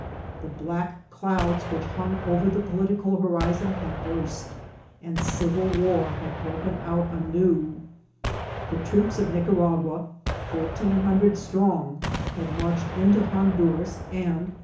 The black douds which hung over the political horiaon had burst, and civil war had broken out anew. The troops of Nicaragua, four teen hundred strong, had marched into Honduras, and HORRORS OP CIVIL WAR.